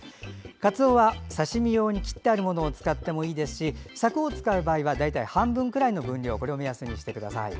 かつおは刺身用に切ってあるものを使ってもいいですし柵を使う場合は大体半分くらいの分量を目安にしてください。